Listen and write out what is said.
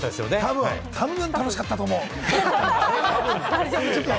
たぶん楽しかったと思う。